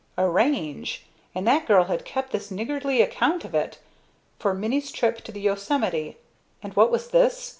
Arrange! And that girl had kept this niggardly account of it! For Minnie's trip to the Yosemite and what was this?